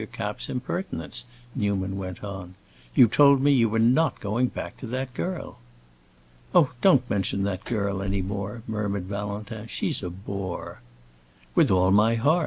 Kapp's impertinence," Newman went on. "You told me you were not going back for that girl." "Oh, don't mention that girl any more," murmured Valentin. "She's a bore." "With all my heart.